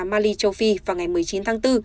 mali châu phi vào ngày một mươi chín tháng bốn